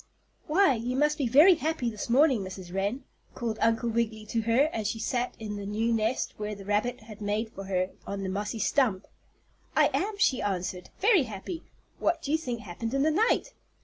"Why, you must be very happy this morning, Mrs. Wren!" called Uncle Wiggily to her as she sat in her new nest which the rabbit had made for her on the mossy stump. "I am," she answered, "very happy. What do you think happened in the night?"